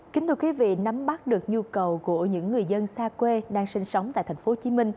kính thưa quý vị nắm bắt được nhu cầu của những người dân xa quê đang sinh sống tại tp hcm